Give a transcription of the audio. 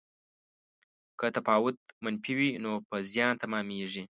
که تفاوت منفي وي نو په زیان تمامیږي.